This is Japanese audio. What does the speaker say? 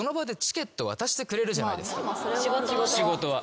仕事は。